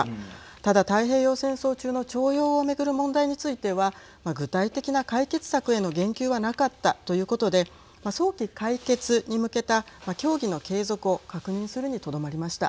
ただ、太平洋戦争中の徴用を巡る問題については具体的な解決策への言及はなかったということで早期解決に向けた協議の継続を確認するにとどまりました。